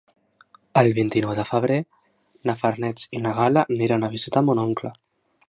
El vint-i-nou de febrer na Farners i na Gal·la aniran a visitar mon oncle.